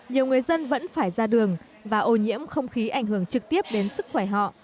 nhiều người dân vẫn phải ra đường và ô nhiễm không khí ảnh hưởng trực tiếp đến sức khỏe họ